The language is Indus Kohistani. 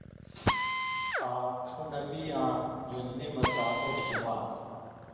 آں ݜُو نبیؐ اں ژؤن٘دُنی مہ سامُوٹھیۡ جُمعہ آن٘سیۡ۔